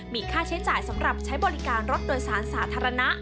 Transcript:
มีค่าใช้จ่ายสำหรับใช้บริการรถโดยสารสาธารณะ